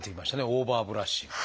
オーバーブラッシング。